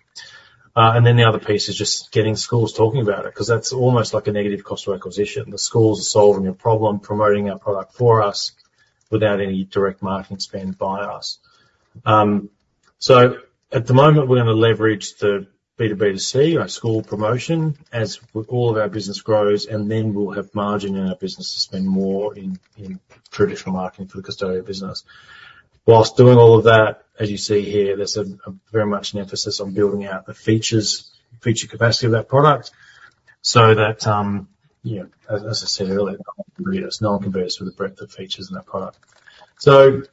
[SPEAKER 1] And then the other piece is just getting schools talking about it, 'cause that's almost like a negative cost of acquisition. The schools are solving a problem, promoting our product for us without any direct marketing spend by us. So at the moment, we're gonna leverage the B2B2C, our school promotion, as all of our business grows, and then we'll have margin in our business to spend more in traditional marketing for the Qustodio business. While doing all of that, as you see here, there's very much an emphasis on building out the features, feature capacity of that product, so that you know, as I said earlier, it's none converts with the breadth of features in our product. So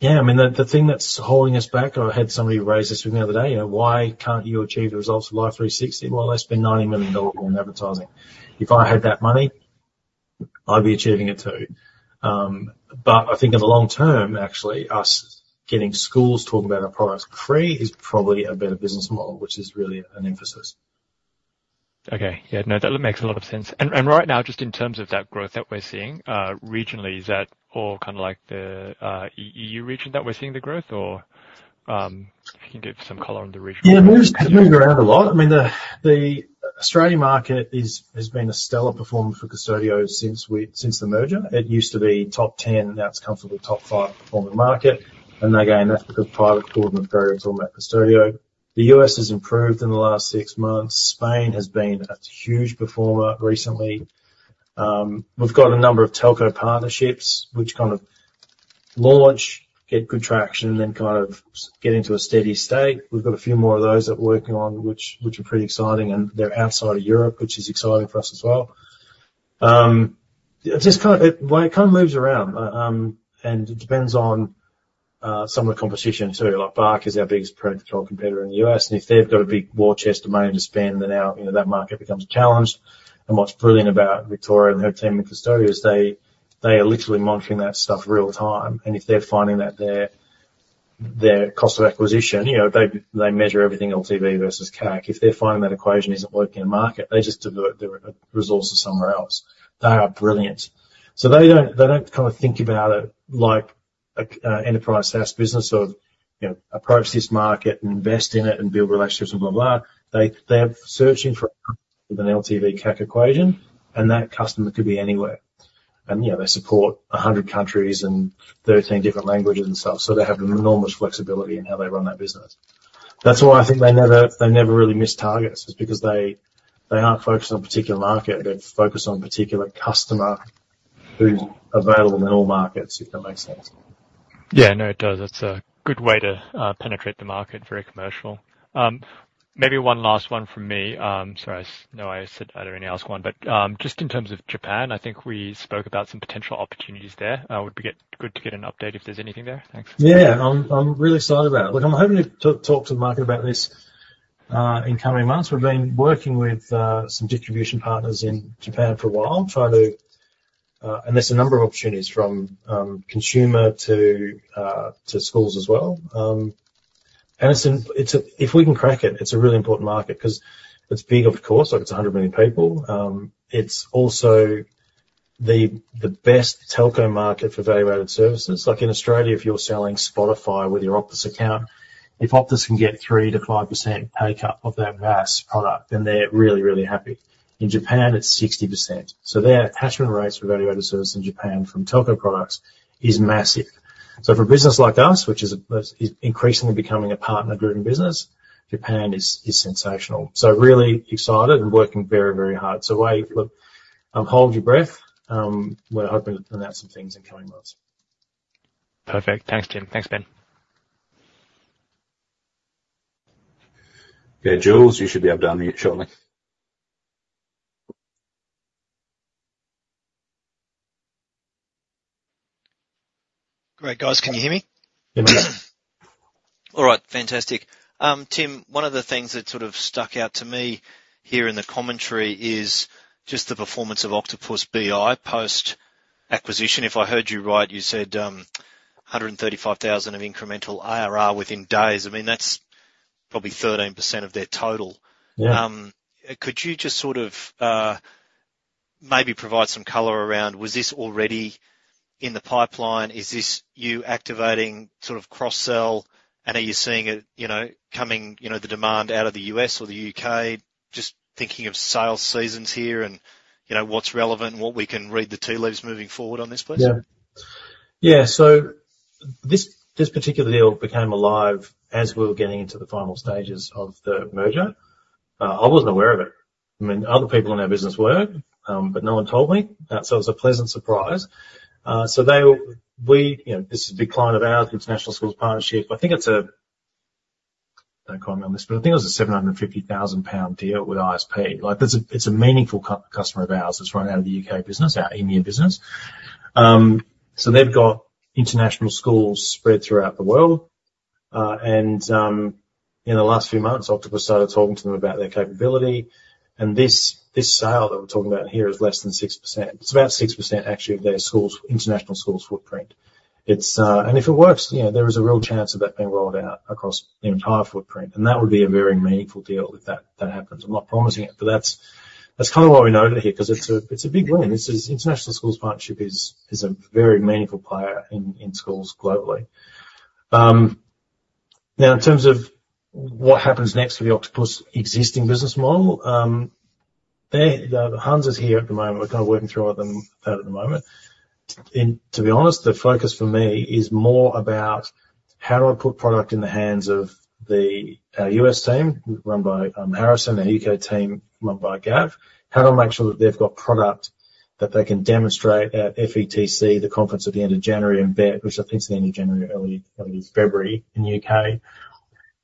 [SPEAKER 1] yeah, I mean, the thing that's holding us back, I had somebody raise this with me the other day, you know, "Why can't you achieve the results of Life360?" Well, they spend $90 million on advertising. If I had that money, I'd be achieving it, too. But I think in the long term, actually, us getting schools talking about our products free is probably a better business model, which is really an emphasis.
[SPEAKER 6] Okay. Yeah, no, that makes a lot of sense. And right now, just in terms of that growth that we're seeing regionally, is that all kind of like the EU region that we're seeing the growth? Or, if you can give some color on the regional-
[SPEAKER 1] Yeah, moving around a lot. I mean, the Australian market has been a stellar performer for Qustodio since the merger. It used to be top ten, now it's comfortably top five performer market, and again, that's because private schools are very vocal about Qustodio. The US has improved in the last six months. Spain has been a huge performer recently. We've got a number of telco partnerships, which kind of launch, get good traction, and then kind of get into a steady state. We've got a few more of those that we're working on, which are pretty exciting, and they're outside of Europe, which is exciting for us as well. It kind of moves around, and it depends on some of the competition, too. Like Bark is our biggest product competitor in the US, and if they've got a big war chest of money to spend, then now, you know, that market becomes a challenge. And what's brilliant about Victoria and her team at Qustodio is they are literally monitoring that stuff real time, and if they're finding that their cost of acquisition, you know, they measure everything LTV versus CAC. If they're finding that equation isn't working in a market, they just divert the resources somewhere else. They are brilliant. So they don't kind of think about it like a enterprise SaaS business of, you know, approach this market and invest in it and build relationships and blah, blah, blah. They are searching for an LTV-CAC equation, and that customer could be anywhere. You know, they support a hundred countries and thirteen different languages and stuff, so they have enormous flexibility in how they run that business. That's why I think they never, they never really miss targets, is because they, they aren't focused on a particular market. They're focused on a particular customer who's available in all markets, if that makes sense.
[SPEAKER 6] Yeah, no, it does. That's a good way to penetrate the market. Very commercial. Maybe one last one from me. Sorry, I know I said I didn't ask one, but just in terms of Japan, I think we spoke about some potential opportunities there. Would we get good to get an update if there's anything there? Thanks.
[SPEAKER 1] Yeah, I'm really excited about it. Look, I'm hoping to talk to the market about this in coming months. We've been working with some distribution partners in Japan for a while, trying to, and there's a number of opportunities from consumer to schools as well, and it's a. If we can crack it, it's a really important market, 'cause it's big, of course, like, it's 100 million people. It's also the best telco market for value-added services. Like in Australia, if you're selling Spotify with your Optus account, if Optus can get 3-5% pay cut of that VAS product, then they're really happy. In Japan, it's 60%, so their attachment rates for value-added service in Japan from telco products is massive. So for a business like us, which is increasingly becoming a partner-driven business, Japan is sensational. So really excited and working very, very hard. So I look, hold your breath, we're hoping to announce some things in coming months.
[SPEAKER 3] Perfect. Thanks, Tim. Thanks, Ben.
[SPEAKER 1] Yeah, Jules, you should be able to unmute shortly.
[SPEAKER 7] Great, guys. Can you hear me?
[SPEAKER 1] Yes.
[SPEAKER 7] All right. Fantastic. Tim, one of the things that sort of stuck out to me here in the commentary is just the performance of Octopus BI post-acquisition. If I heard you right, you said, 135,000 of incremental ARR within days. I mean, that's probably 13% of their total.
[SPEAKER 1] Yeah.
[SPEAKER 7] Could you just sort of, maybe provide some color around, was this already in the pipeline? Is this you activating sort of cross-sell? And are you seeing it, you know, coming, you know, the demand out of the U.S. or the U.K.? Just thinking of sales seasons here and, you know, what's relevant and what we can read the tea leaves moving forward on this, please.
[SPEAKER 1] Yeah. Yeah, so this, this particular deal became alive as we were getting into the final stages of the merger. I wasn't aware of it. I mean, other people in our business were, but no one told me, so it was a pleasant surprise. So they, we, you know, this is a big client of ours, International Schools Partnership. I think it's a... Don't quote me on this, but I think it was a 750,000 pound deal with ISP. Like, that's a, it's a meaningful customer of ours that's run out of the UK business, our EMEA business. So they've got international schools spread throughout the world. And, in the last few months, Octopus started talking to them about their capability. And this, this sale that we're talking about here is less than 6%. It's about 6%, actually, of their schools, International Schools Partnership's footprint, and if it works, you know, there is a real chance of that being rolled out across the entire footprint, and that would be a very meaningful deal if that happens. I'm not promising it, but that's kind of why we noted it here, 'cause it's a big win. This is International Schools Partnership, a very meaningful player in schools globally. Now, in terms of what happens next for the Octopus existing business model, they. Hans is here at the moment. We're kind of working through all that at the moment, and to be honest, the focus for me is more about how do I put product in the hands of our US team, run by Harrison, our UK team, run by Gav? How do I make sure that they've got product that they can demonstrate at FETC, the conference at the end of January, and BETT, which I think is the end of January or early February in the U.K.?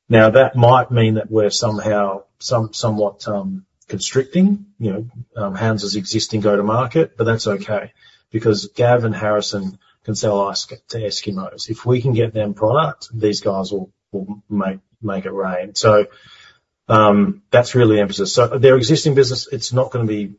[SPEAKER 1] Now, that might mean that we're somehow somewhat constricting, you know, Hans' existing go-to-market, but that's okay, because Gav and Harrison can sell ice to Eskimos. If we can get them product, these guys will make it rain. So, that's really the emphasis. So their existing business, it's not gonna be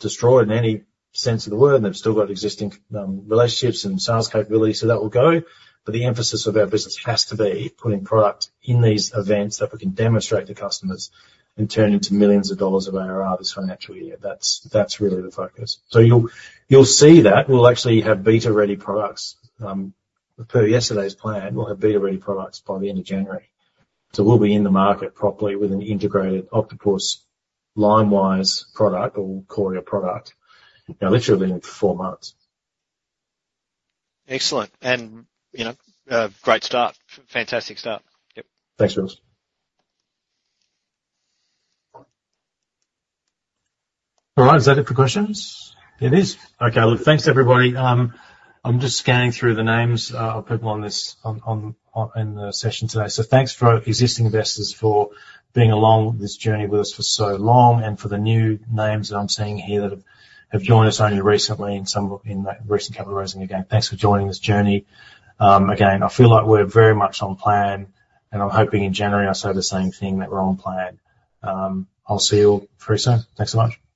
[SPEAKER 1] destroyed in any sense of the word. They've still got existing relationships and sales capabilities, so that will go. But the emphasis of our business has to be putting product in these events that we can demonstrate to customers and turn into millions of dollars of ARR this financial year. That's really the focus. So you'll see that. We'll actually have beta-ready products. Per yesterday's plan, we'll have beta-ready products by the end of January. So we'll be in the market properly with an integrated Octopus Linewize product or Qoria product, now literally only four months.
[SPEAKER 7] Excellent, and, you know, great start. Fantastic start. Yep.
[SPEAKER 1] Thanks, Jules. All right, is that it for questions? It is. Okay, look, thanks, everybody. I'm just scanning through the names of people on this in the session today. So thanks for our existing investors for being along this journey with us for so long, and for the new names that I'm seeing here that have joined us only recently in that recent capital raising again, thanks for joining this journey. Again, I feel like we're very much on plan, and I'm hoping in January I say the same thing, that we're on plan. I'll see you all very soon. Thanks so much.
[SPEAKER 3] Thanks, Tim.